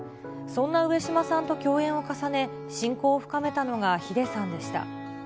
そんな上島さんと共演を重ね、親交を深めたのがヒデさんでした。